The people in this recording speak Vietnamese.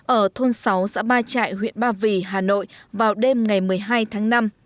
ở thôn sáu xã ba trại huyện ba vì hà nội vào đêm ngày một mươi hai tháng năm